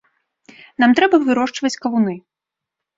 Нам трэба вырошчваць кавуны.